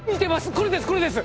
これですこれです！